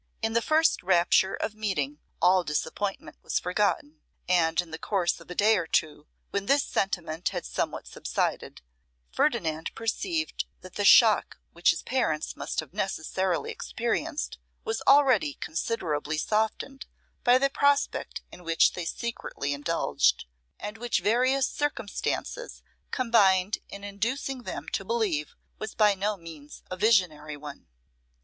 In the first rapture of meeting all disappointment was forgotten, and in the course of a day or two, when this sentiment had somewhat subsided, Ferdinand perceived that the shock which his parents must have necessarily experienced was already considerably softened by the prospect in which they secretly indulged, and which various circumstances combined in inducing them to believe was by no means a visionary one.